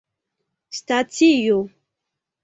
stacio